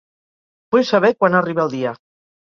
Vull saber quan arriba el dia.